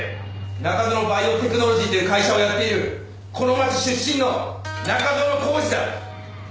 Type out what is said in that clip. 中園バイオテクノロジーという会社をやっているこの町出身の中園宏司だ！